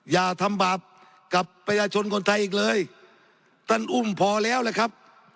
อย่าทำบาปกับประชาชนคนไทยอีกเลยท่านอุ้มพอแล้วแหละครับ